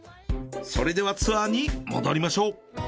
それではツアーに戻りましょう。